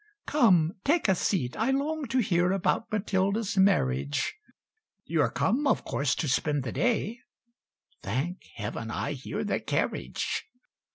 "Come, take a seat I long to hear About Matilda's marriage; You're come of course to spend the day! (Thank Heaven, I hear the carriage!)